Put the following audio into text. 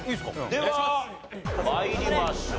では参りましょう。